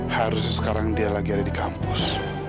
harus sekarang dia lagi ada di kampus